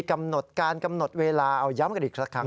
กำหนดการกำหนดเวลาเอาย้ำกันอีกสักครั้ง